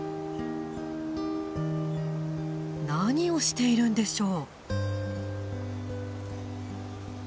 何をしているんでしょう？